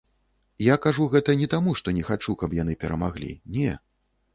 Я кажу гэта не таму, што не хачу, каб яны перамаглі, не.